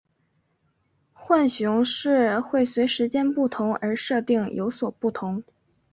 浣熊市会随时间不同而设定有所不同。